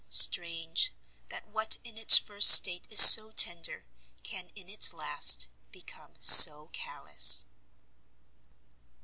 strange, that what in its first state is so tender, can in its last become so callous!